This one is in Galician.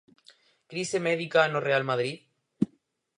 Crise médica no Real Madrid?